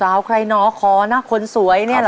ใครหนอขอนะคนสวยเนี่ยเหรอ